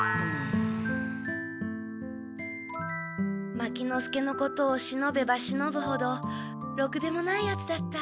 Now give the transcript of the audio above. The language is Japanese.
牧之介のことをしのべばしのぶほどろくでもないやつだった。